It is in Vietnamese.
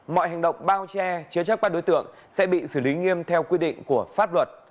mọi hành động bao che chứa chắc qua đối tượng sẽ bị xử lý nghiêm theo quy định của pháp luật